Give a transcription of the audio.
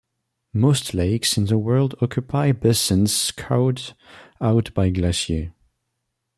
Most lakes in the world occupy basins scoured out by glaciers.